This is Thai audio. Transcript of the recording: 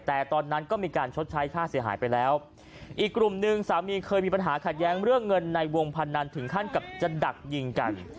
แต่ตอนนั้นก็มีการชดใช้ค่าเสียหายไปแล้วอีกกลุ่มหนึ่งสามีเคยมีปัญหาขัดแย้งเรื่องเงินในวงพนันถึงขั้นกับจะดักยิงกัน